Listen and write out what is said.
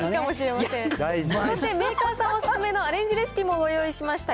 そしてメーカーさんお勧めのアレンジレシピもご用意しました。